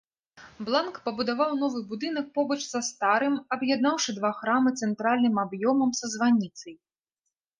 Бланк пабудаваў новы будынак побач са старым, аб'яднаўшы два храмы цэнтральным аб'ёмам са званіцай.